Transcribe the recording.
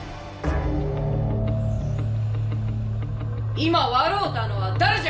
今笑うたのは誰じゃ。